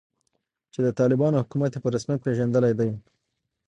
چې د طالبانو حکومت یې په رسمیت پیژندلی دی